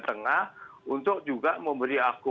tengah untuk juga memberi